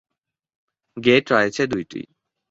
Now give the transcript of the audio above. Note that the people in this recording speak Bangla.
গেইট রয়েছে দুইটি।